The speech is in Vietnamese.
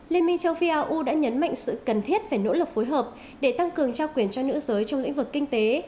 liên minh châu phi au đã nhấn mạnh sự cần thiết về nỗ lực phối hợp để tăng cường trao quyền cho nữ giới trong lĩnh vực kinh tế